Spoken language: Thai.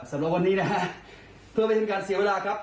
สำหรับวันนี้นะฮะเพื่อไม่เป็นการเสียเวลาครับ